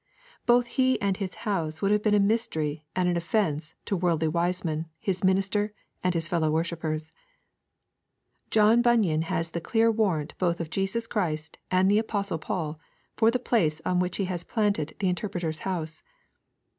Both he and his house would have been a mystery and an offence to Worldly Wiseman, his minister, and his fellow worshippers. John Bunyan has the clear warrant both of Jesus Christ and the Apostle Paul for the place on which he has planted the Interpreter's house.